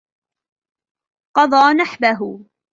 قضى نحبه